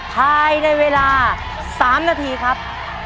ภายในเวลา๓นาทีครับ